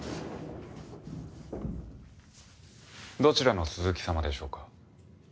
どちらの鈴木様でしょうか？